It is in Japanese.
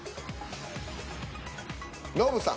ノブさん。